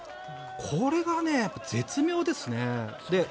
これが絶妙ですね。